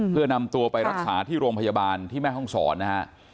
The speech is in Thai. เพื่อนำตัวไปรักษาที่โรงพยาบาลที่แม่ห้องศรนะฮะ